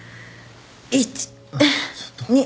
１２。